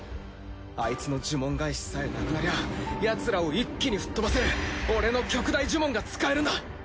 アイツの呪文返しさえなくなりゃあヤツらを一気に吹っ飛ばせる俺の極大呪文が使えるんだ。